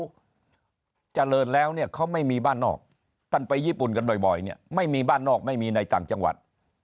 เขาเจริญแล้วเนี่ยเขาไม่มีบ้านนอกท่านไปญี่ปุ่นกันบ่อยเนี่ยไม่มีบ้านนอกไม่มีในต่างจังหวัด